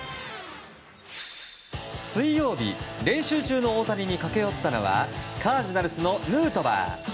水曜日、練習中の大谷に駆け寄ったのはカージナルスのヌートバー。